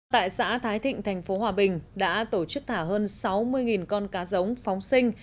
tại xã thái thịnh thành phố hòa bình đã tổ chức thả hơn sáu mươi con cá giống phóng sinh